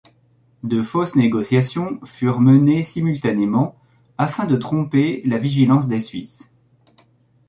De fausses négociations furent menées simultanément afin de tromper la vigilance des Suisses.